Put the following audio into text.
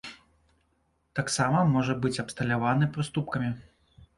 Таксама можа быць абсталяваны прыступкамі.